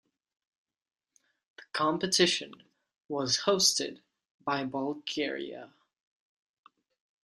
The competition was hosted by Bulgaria.